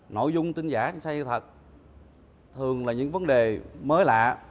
nội dung tin giả tin sai sự thật thường là những vấn đề mới lạ